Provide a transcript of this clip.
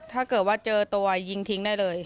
ถ้าเกิดว่าเจอตัวยิงทิ้งได้เลย